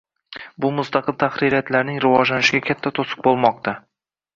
Bu mustaqil tahririyatlarning rivojlanishiga katta to‘siq bo‘lmoqda.